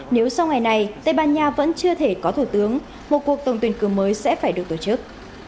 nếu sau ngày này tây ban nha vẫn chưa thể có thủ tướng một cuộc tổng tuyển cử mới sẽ phải được tổ chức